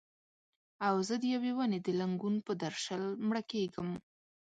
او زه د یوې ونې د لنګون پر درشل مړه کیږم